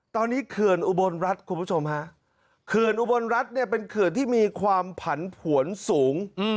ตอนนี้เขื่อนอุบลรัฐคุณผู้ชมฮะเขื่อนอุบลรัฐเนี่ยเป็นเขื่อนที่มีความผันผวนสูง